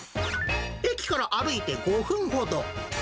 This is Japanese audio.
駅から歩いて５分ほど。